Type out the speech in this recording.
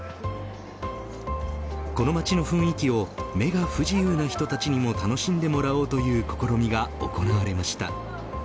この街の雰囲気を目が不自由な人たちにも楽しんでもらおうという試みが行われました。